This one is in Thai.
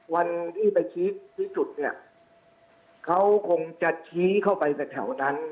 วันที่ไปชี้จุดเนี่ยเขาคงจะชี้เข้าไปในแถวนั้น